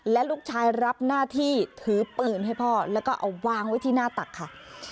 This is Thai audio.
และลูกชายรับหน้าที่ถือปืนให้พ่อแล้วก็เอาวางไว้ที่หน้าตักค่ะ